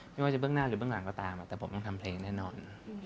ไม่ว่าจะเบื้องหน้าหรือเบื้องหลังก็ตามแต่ผมต้องทำเพลงแน่นอน